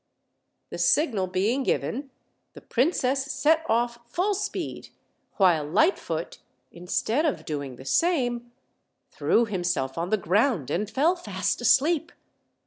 The signal being given, the princess set off full speed, while Lightfoot, instead of doing the same, threw him self on the ground and fell fast asleep.